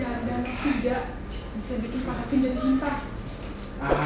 jangan lupa bisa bikin pak raffin jadi pimpah